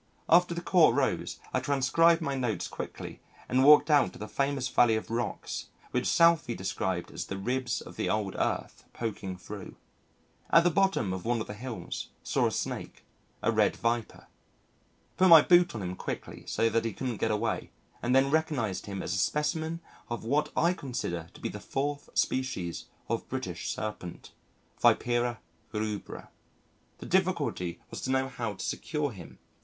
After the Court rose, I transcribed my notes quickly and walked out to the famous Valley of Rocks which Southey described as the ribs of the old Earth poking through. At the bottom of one of the hills saw a snake, a Red Viper. Put my boot on him quickly so that he couldn't get away and then recognised him as a specimen of what I consider to be the fourth species of British Serpent Vipera rubra. The difficulty was to know how to secure him.